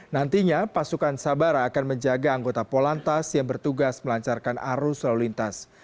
nantinya pasukan sabara akan menjaga anggota polantas yang bertugas melancarkan arus lalu lintas